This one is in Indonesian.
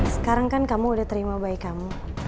sekarang kan kamu udah terima bayi kamu